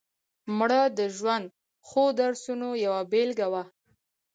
مړه د ژوند ښو درسونو یوه بېلګه وه